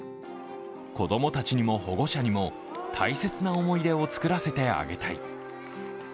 子供たちにも保護者にも大切な思い出を作らせてあげたい。